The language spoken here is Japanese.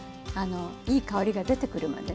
いい香りが出てくるまでね。